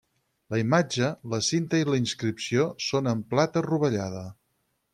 La imatge, la cinta i la inscripció són en plata rovellada.